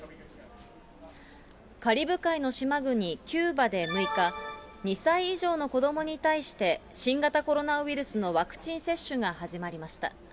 カリブ海の島国、キューバで６日、２歳以上の子どもに対して、新型コロナウイルスのワクチン接種が始まりました。